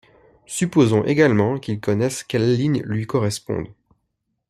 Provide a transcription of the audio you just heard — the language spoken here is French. Supposons également qu'il connaisse quelle ligne lui corresponde.